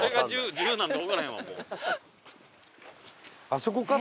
あそこか？